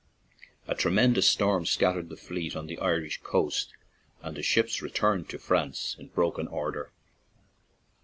A tremen dous storm scattered the fleet on the Irish coast, and the ships returned to France in broken order.